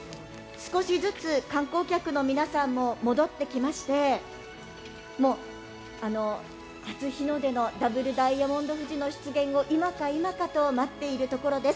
少しずつ観光客の皆さんも戻ってきまして初日の出のダブルダイヤモンド富士の出現を今か今かと待っているところです。